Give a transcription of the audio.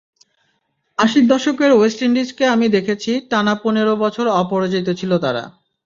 আশির দশকের ওয়েস্ট ইন্ডিজকে আমি দেখেছি, টানা পনেরো বছর অপরাজিত ছিল তারা।